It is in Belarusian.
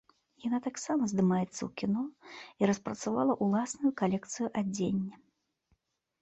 Яна таксама здымаецца ў кіно і распрацавала ўласную калекцыю адзення.